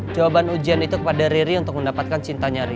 jawaban ujian itu kepada ri untuk mendapatkan cintanya ri